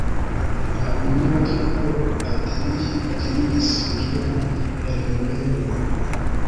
La unua trupo atingis regionon en novembro.